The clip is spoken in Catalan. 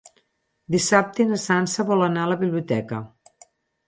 Dissabte na Sança vol anar a la biblioteca.